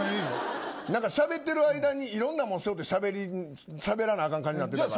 しゃべってる間にいろんなものしゃべってしゃべらなあかん感じになってるけど。